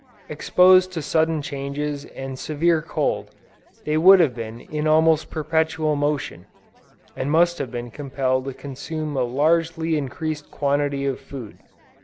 Exposed to sudden changes and severe cold, they would have been in almost perpetual motion, and must have been compelled to consume a largely increased quantity of food.